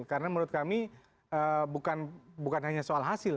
karena menurut kami bukan hanya soal hasil